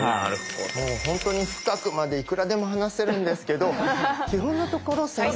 本当に深くまでいくらでも話せるんですけど基本のところ先生じゃあ。